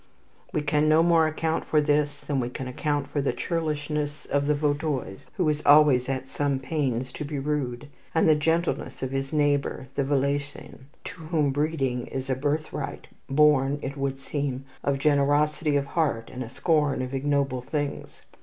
We can no more account for this than we can account for the churlishness of the Vaudois, who is always at some pains to be rude, and the gentleness of his neighbour, the Valaisan, to whom breeding is a birthright, born, it would seem, of generosity of heart, and a scorn of ignoble things.